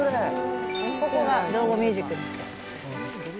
ここが道後ミュージックです。